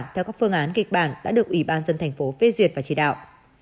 theo các phương án kịch bản đã được ủy ban dân thành phố phê duyệt và chỉ đạo